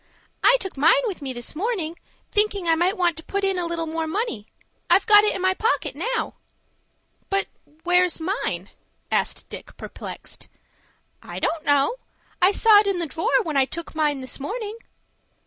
"I took mine with me this morning, thinking I might want to put in a little more money. I've got it in my pocket, now." "But where's mine?" asked Dick, perplexed. "I don't know. I saw it in the drawer when I took mine this morning."